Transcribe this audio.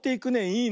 いいね。